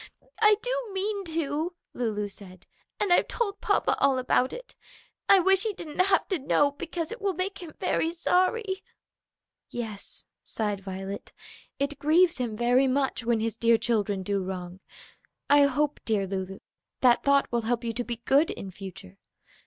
"I do mean to," Lulu said. "And I've told papa all about it. I wish he didn't have to know, because it will make him very sorry." "Yes," sighed Violet, "it grieves him very much when his dear children do wrong. I hope, dear Lulu, that thought will help you to be good in future.